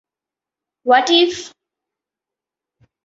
What if?